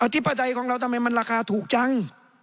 อธิบไตของเรามันราคาถูกจัง